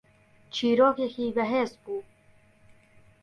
چیرۆکێکی بەهێز بوو